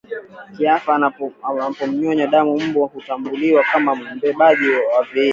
kiafya anapomnyonya damu Mbu hutambuliwa kama mbebaji wa viini